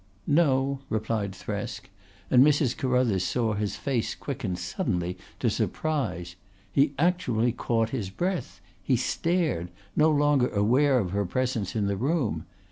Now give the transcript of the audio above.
"No," replied Thresk, and Mrs. Carruthers saw his face quicken suddenly to surprise. He actually caught his breath; he stared, no longer aware of her presence in the room.